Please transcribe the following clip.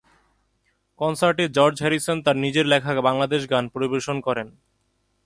কনসার্টে George Harrison তার নিজের লেখা বাংলাদেশ গান পরিবেশন করেন।